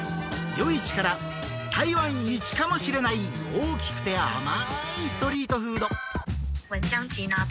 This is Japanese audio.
夜市から台湾イチかもしれない大きくて甘いストリートフード